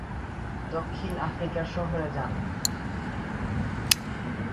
দক্ষিণ আফ্রিকা সফরে যান।